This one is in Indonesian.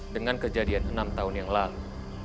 dengan kejadian enam tahun yang lalu